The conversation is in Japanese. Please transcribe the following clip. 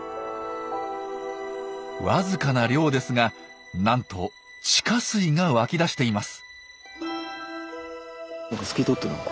わずかな量ですがなんと地下水が湧き出しています。